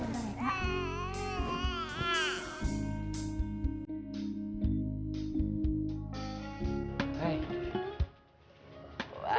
tunggu sebentar ya